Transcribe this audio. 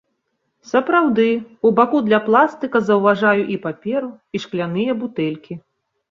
Сапраўды, у баку для пластыка заўважаю і паперу, і шкляныя бутэлькі.